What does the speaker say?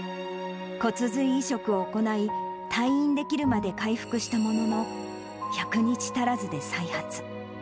骨髄移植を行い、退院できるまで回復したものの、１００日足らずで再発。